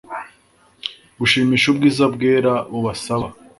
Gushimisha ubwiza bwera bubasaba